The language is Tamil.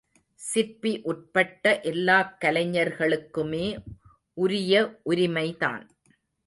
சிற்பி உட்பட்ட எல்லாக் கலைஞர்களுக்குமே உரிய உரிமைதான்.